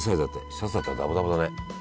シャツだったらダボダボだね。